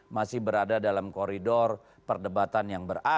masih berada dalam koridor perdebatan yang berada